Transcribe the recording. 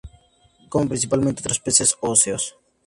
Come principalmente otros peces óseos.